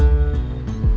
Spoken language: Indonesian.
ya pak juna